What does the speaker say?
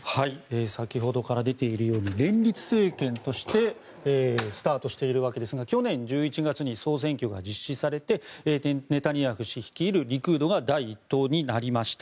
先ほどから出ているように連立政権としてスタートしているわけですが去年１１月に総選挙が実施されてネタニヤフ氏率いるリクードが第１党になりました。